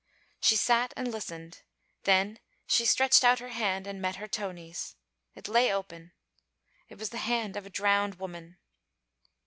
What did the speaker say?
She sat and listened; then she stretched out her hand and met her Tony's. It lay open. It was the hand of a drowned woman.